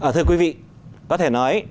thưa quý vị có thể nói